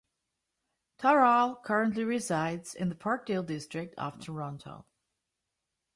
Taral currently resides in the Parkdale district of Toronto.